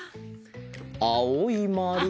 あおいまる。